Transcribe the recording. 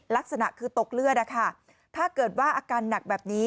ลักษณะคือตกเลือดนะคะถ้าเกิดว่าอาการหนักแบบนี้